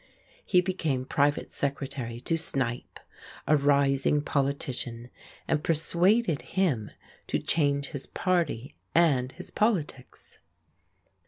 He became private secretary to Snipe, a rising politician and persuaded him to change his party and his politics.